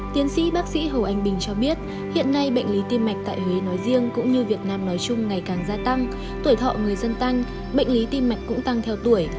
tiến sĩ bác sĩ hồ anh bình cho biết hiện nay bệnh lý tim mạch tại huế nói riêng cũng như việt nam nói chung ngày càng gia tăng tuổi thọ người dân tăng bệnh lý tim mạch cũng tăng theo tuổi